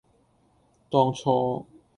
當初，